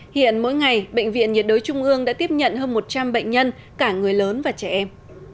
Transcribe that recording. hiện mỗi ngày bệnh viện nhiệt đới trung ương đã tiếp nhận hơn một trăm linh bệnh nhân cả người lớn và trẻ em